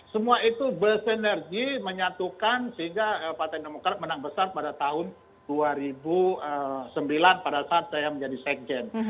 semua itu bersinergi menyatukan sehingga partai demokrat menang besar pada tahun dua ribu sembilan pada saat saya menjadi sekjen